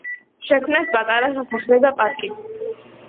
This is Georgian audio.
შექმნეს პატარა სასახლე და პარკი.